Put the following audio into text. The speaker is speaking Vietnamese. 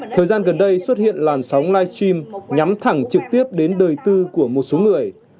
thời gian gần đây xuất hiện làn sóng live stream nhắm thẳng trực tiếp đến đời tư của một số người